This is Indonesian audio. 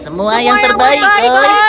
semua yang terbaik koi